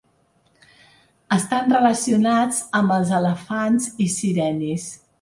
Estan relacionats amb els elefants i sirenis.